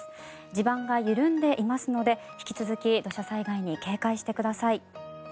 地盤が緩んでいますので引き続き土砂災害に警戒してください。